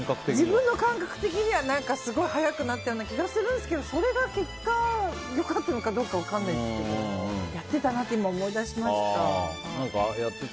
自分の感覚的にはすごい速くなったような気がするんですけどそれが結果、良かったのかどうか分からないですけどやってたなって何かやってた？